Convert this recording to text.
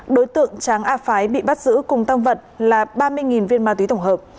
đối tượng tráng a phái bị bắt giữ cùng tăng vật là ba mươi viên ma túy tổng hợp